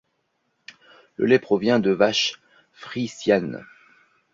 Le lait provient de vaches Friesian.